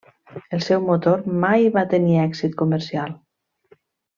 El seu motor mai va tenir èxit comercial.